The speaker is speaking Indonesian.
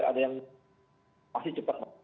ada yang pasti cepat